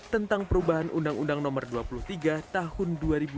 tentang perubahan undang undang nomor dua puluh tiga tahun dua ribu dua